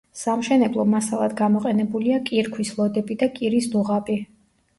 სამშენებლო მასალად გამოყენებულია კირქვის ლოდები და კირის დუღაბი.